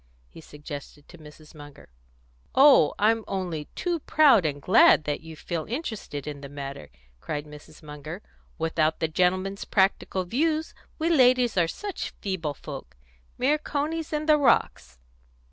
he suggested to Mrs. Munger. "Oh, I'm only too proud and glad that you feel interested in the matter!" cried Mrs. Munger. "Without the gentlemen's practical views, we ladies are such feeble folk mere conies in the rocks."